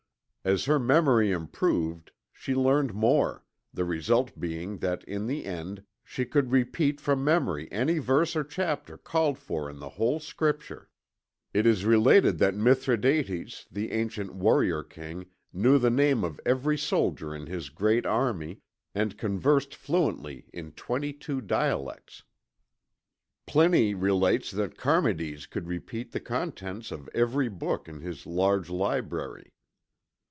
As her memory improved, she learned more, the result being that in the end she could repeat from memory any verse or chapter called for in the whole Scripture." It is related that Mithridates, the ancient warrior king, knew the name of every soldier in his great army, and conversed fluently in twenty two dialects. Pliny relates that Charmides could repeat the contents of every book in his large library.